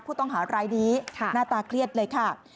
ผู้ต้องหารายนี้หน้าตาเครียดเลยค่ะ